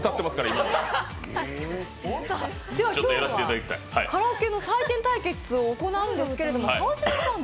今日はカラオケの採点対決を行うんですけど、川島さん